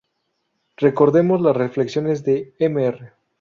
Recordemos las reflexiones de Mr.